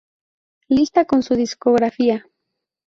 Lista con su discografía.